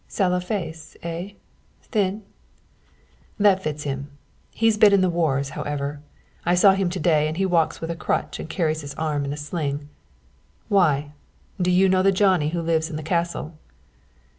"Sallow face, eh? Thin?" "That fits him. He's been in the wars, however. I saw him to day and he walks with a crutch and carries his arm in a sling. Why? Do you know the Johnny who lives in the castle?"